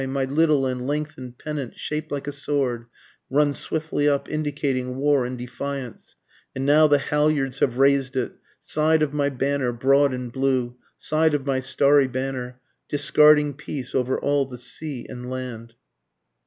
my little and lengthen'd pennant shaped like a sword, Runs swiftly up indicating war and defiance and now the halyards have rais'd it, Side of my banner broad and blue, side of my starry banner, Discarding peace over all the sea and land.